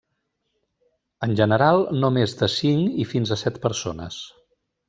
En general no més de cinc i fins a set persones.